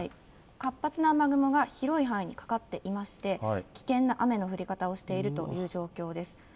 活発な雨雲が広い範囲にかかっていまして、危険な雨の降り方をしているという状況です。